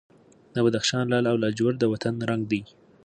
د بدخشان لعل او لاجورد د وطن رنګ دی.